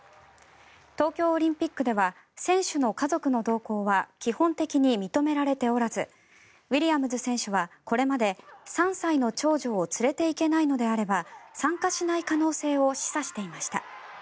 東京オリンピックでは選手の家族の同行は基本的に認められておらずウィリアムズ選手はこれまで３歳の長女を連れていけないのであれば参加しない可能性を示唆していました。